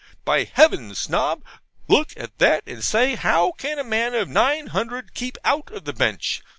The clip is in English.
by heaven, Snob, look at that and say how can a man of nine hundred keep out of the Bench?'